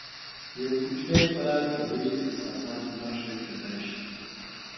یو کوچنی خوراک د لویو احساساتو نښه کېدای شي.